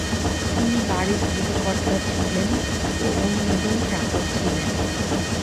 তিনি বাড়ীর গৃহকর্তা ছিলেন ও অন্যজন চাকর ছিলেন।